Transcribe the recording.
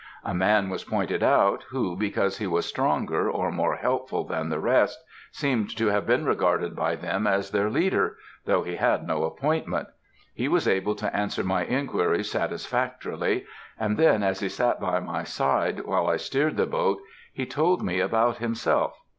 A man was pointed out, who, because he was stronger or more helpful than the rest, seemed to have been regarded by them as their leader, though he had no appointment. He was able to answer my inquiries satisfactorily, and then as he sat by my side, while I steered the boat, he told me about himself.